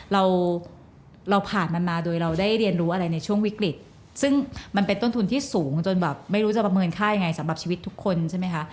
เราเราผ่านมันมาโดยเราได้เรียนรู้อะไรในช่วงวิกฤตซึ่งมันเป็นต้นทุนที่สูงจนแบบไม่รู้จะประเมินค่ายังไงสำหรับชีวิตทุกคนใช่ไหมคะ